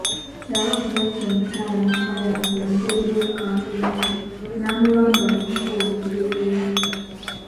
Kyabaggu yatta omukyala Namayanja mu ngeri y'obukambwe ennyo n'amubamba mu kubo mu ngeri embi.